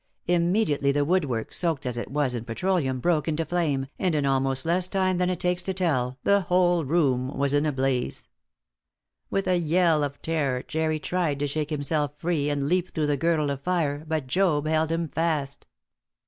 Immediately the woodwork, soaked as it was in petroleum, broke into flame, and in almost less time than it takes to tell, the whole room was in a blaze. With a yell of terror, Jerry tried to shake himself free, and leap through the girdle of fire but Job held him fast.